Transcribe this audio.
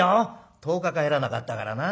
１０日帰らなかったからな。